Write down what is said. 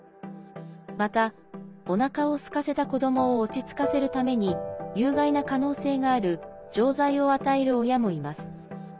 また、おなかをすかせた子どもを落ち着かせるために有害な可能性がある錠剤を与える親もいます。